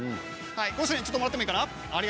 ごしょりん、ちょっともらってもいいかな。